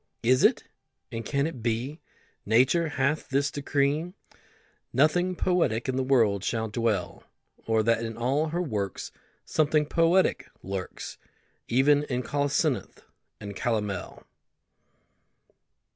Is it, and can it be, Nature hath this decree, Nothing poetic in the world shall dwell? Or that in all her works Something poetic lurks, Even in colocynth and calomel?